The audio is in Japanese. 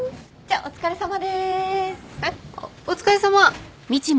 あお疲れさま。